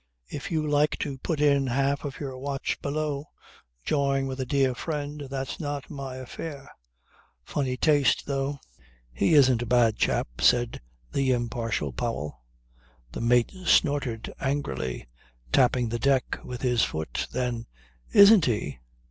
If you like to put in half of your watch below jawing with a dear friend, that's not my affair. Funny taste though." "He isn't a bad chap," said the impartial Powell. The mate snorted angrily, tapping the deck with his foot; then: "Isn't he?